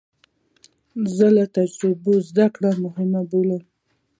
زه له تجربو زده کړه مهمه بولم.